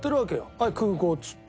「はい空港」っつって。